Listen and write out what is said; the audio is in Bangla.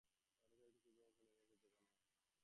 নরকের একটি ক্ষুদ্র অংশ নেমে এসেছে এখানে।